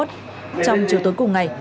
trong chiều tối cùng ngày